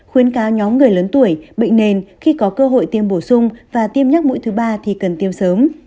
khuyến cáo nhóm người lớn tuổi bệnh nền khi có cơ hội tiêm bổ sung và tiêm nhắc mũi thứ ba thì cần tiêm sớm